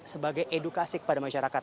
sebagai edukasi kepada masyarakat